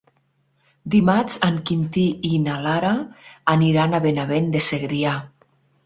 Dimarts en Quintí i na Lara aniran a Benavent de Segrià.